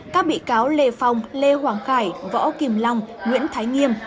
các bị cáo lê phong lê hoàng khải võ kim long nguyễn thái nghiêm